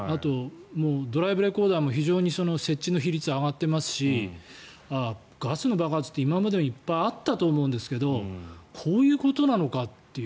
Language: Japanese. ドライブレコーダーも非常に設置の比率が上がってますしガスの爆発って今までもいっぱいあったと思うんですがこういうことなのかっていう。